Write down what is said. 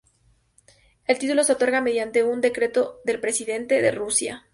El título se otorga mediante un decreto del Presidente de Rusia.